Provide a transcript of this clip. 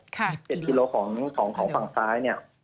ประมาณ๗กิโลกรัมของฝั่งซ้ายเนี่ย